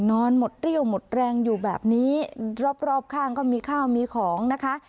นอนหมดเรี่ยวหมดแรงอยู่แบบนี้รอบรอบข้างก็มีข้าวมีของนะคะ